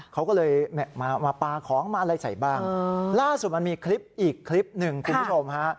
เขาก็เลยมาปลาของมาอะไรใส่บ้างล่าสุดมันมีคลิปอีกคลิปหนึ่งคุณผู้ชมฮะ